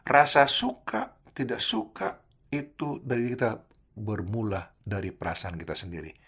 rasa suka tidak suka itu dari kita bermula dari perasaan kita sendiri